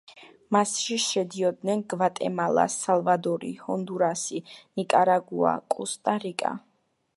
მასში შედიოდნენ გვატემალა, სალვადორი, ჰონდურასი, ნიკარაგუა, კოსტა-რიკა.